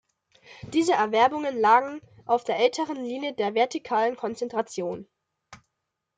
Diese Erwerbungen lagen auf der älteren Linie der vertikalen Konzentration.